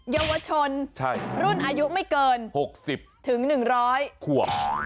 เยาวชนรุ่นอายุไม่เกิน๖๐๑๐๐ขวบ